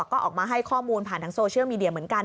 ก็ออกมาให้ข้อมูลผ่านทางโซเชียลมีเดียเหมือนกัน